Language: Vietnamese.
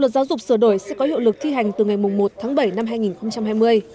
luật giáo dục sửa đổi sẽ có hiệu lực thi hành từ ngày một tháng bảy năm hai nghìn hai mươi